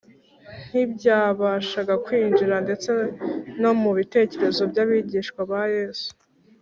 , ntibyabashaga kwinjira ndetse no mu bitekerezo by’abigishwa ba Yesu